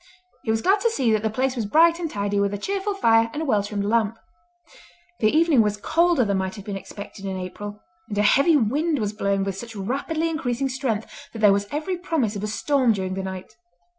He was glad to see that the place was bright and tidy with a cheerful fire and a well trimmed lamp. The evening was colder than might have been expected in April, and a heavy wind was blowing with such rapidly increasing strength that there was every promise of a storm during the night.